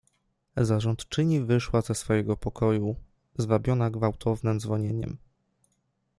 "Zarządczyni wyszła ze swojego pokoju, zwabiona gwałtownem dzwonieniem."